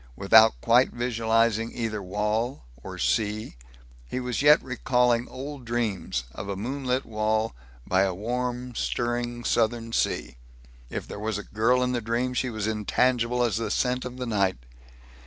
Without quite visualizing either wall or sea, he was yet recalling old dreams of a moonlit wall by a warm stirring southern sea. If there was a girl in the dream she was intangible as the scent of the night.